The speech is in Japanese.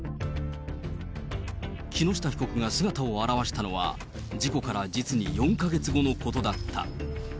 木下被告が姿を現したのは、事故から実に４か月後のことだった。